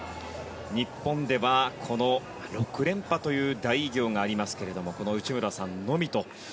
日本では６連覇という大偉業がありますがこの内村さんのみと。